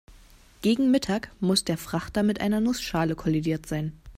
Gegen Mittag muss der Frachter mit einer Nussschale kollidiert sein.